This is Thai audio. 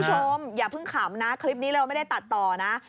คุณผู้ชมอย่าเพิ่งขำนะคลิปนี้เราไม่ได้ตัดต่อนะ